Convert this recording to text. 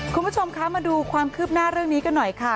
คุณผู้ชมคะมาดูความคืบหน้าเรื่องนี้กันหน่อยค่ะ